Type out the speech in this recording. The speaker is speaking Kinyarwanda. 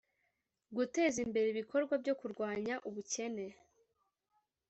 guteza imbere ibikorwa byo kurwanya ubukene